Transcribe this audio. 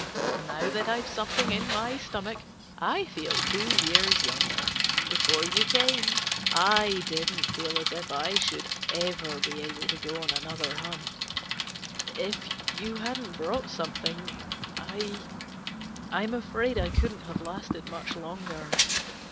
Now that I've something in my stomach, I feel two years younger. Before you came, I didn't feel as if I should ever be able to go on another hunt. If you hadn't brought something, I—I'm afraid I couldn't have lasted much longer.